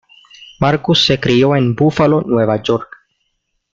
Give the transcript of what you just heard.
Markus se crió en Búfalo, Nueva York.